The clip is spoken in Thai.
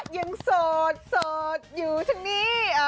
ยังโสดอยู่ข้างนี้